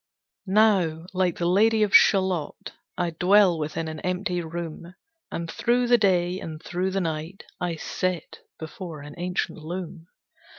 Now like the Lady of Shalott, I dwell within an empty room, And through the day and through the night I sit before an ancient loom.